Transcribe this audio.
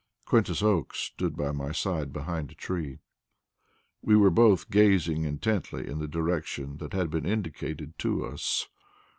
Quintus Oakes stood by my side behind a tree. We were both gazing intently in the direction that had been indicated to us.